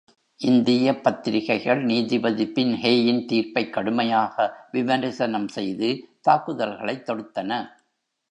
இந்தியப் பத்திரிகைகள் நீதிபதி பின்ஹேயின் தீர்ப்பைக் கடுமையாக விமரிசனம் செய்து தாக்குதல்களைத் தொடுத்தன.